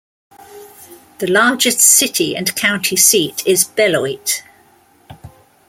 The largest city and county seat is Beloit.